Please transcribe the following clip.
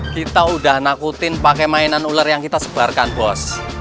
kita udah nakutin pakai mainan ular yang kita sebarkan bos